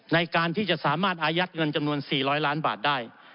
ในการที่จะสามารถอายัดเงินจำนวน๔๐๐ล้านบาทได้